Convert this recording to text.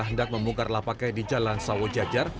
hendak memukar lapakai di jalan sawo jajar